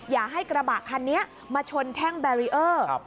อย่าให้กระบะคันนี้มาชนแท่งแบรีเออร์